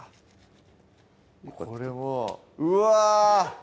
これはうわ！